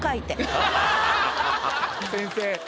先生